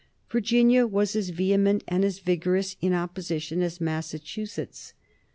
Virginia was as vehement and as vigorous in opposition as Massachusetts.